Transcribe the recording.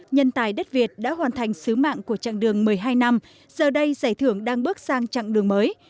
nhân tài đất việt đã hoàn thành sứ mạng của chặng đường một mươi hai năm giờ đây giải thưởng đang bước sang chặng đường mới